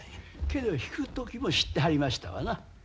けど引く時も知ってはりましたわな。